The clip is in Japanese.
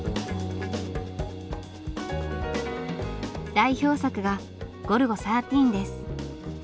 代表作が「ゴルゴ１３」です。